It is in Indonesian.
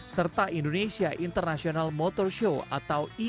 serta indonesia international motor show atau i